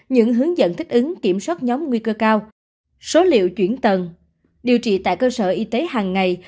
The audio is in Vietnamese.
những hướng dẫn thích ứng kiểm soát nhóm nguy cơ cao số liệu chuyển tầng điều trị tại cơ sở y tế hàng ngày